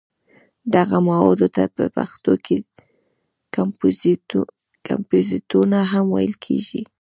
دغه موادو ته په پښتو کې کمپوزیتونه هم ویل کېږي.